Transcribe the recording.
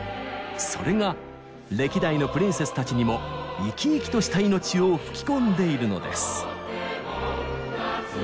それが歴代のプリンセスたちにも生き生きとした命を吹き込んでいるのです。